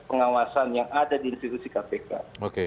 pengawasan yang ada di institusi kpk